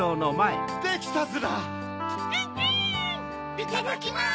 いただきます！